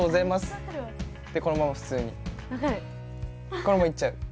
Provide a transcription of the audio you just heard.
このまま行っちゃう。